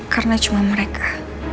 karena cuma mereka